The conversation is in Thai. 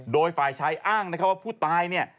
โดยฝ่ายชายอ้างนะครับว่าผู้ตายเนี่ย